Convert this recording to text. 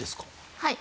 はい。